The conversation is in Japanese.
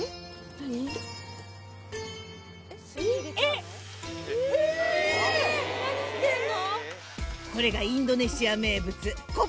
何してんの？